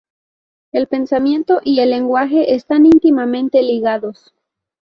El pensamiento y el lenguaje están íntimamente ligados.